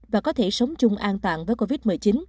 và có thể sống chung an tạng với covid một mươi chín